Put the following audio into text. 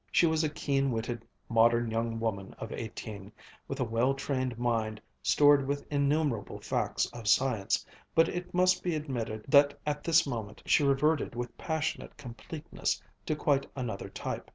She was a keen witted modern young woman of eighteen, with a well trained mind stored with innumerable facts of science, but it must be admitted that at this moment she reverted with passionate completeness to quite another type.